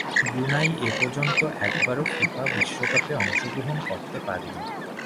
Brunei এপর্যন্ত একবারও FIFA বিশ্বকাপে অংশগ্রহণ করতে পারেনি।